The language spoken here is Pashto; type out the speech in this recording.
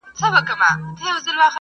مور د ټولني فشار زغمي ډېر,